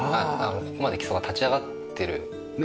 ここまで基礎が立ち上がってる感じになって。